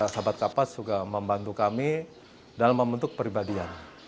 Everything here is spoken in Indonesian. sahabat kapas juga membantu kami dalam membentuk peribadian